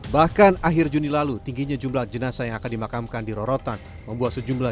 bahkan akhir juni lalu tingginya jumlah jenazah yang akan dimakamkan di rorotan membuat sejumlah